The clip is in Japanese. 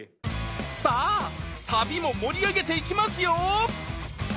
さあサビも盛り上げていきますよ！